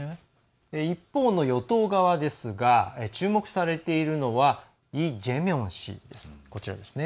一方の与党側ですが注目されているのはイ・ジェミョン氏です。